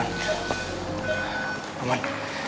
oh ini roman